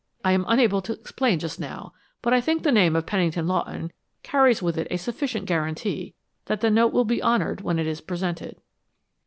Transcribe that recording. "I am unable to explain just now, but I think the name of Pennington Lawton carries with it a sufficient guarantee that the note will be honored when it is presented."